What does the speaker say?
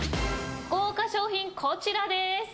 豪華賞品こちらです。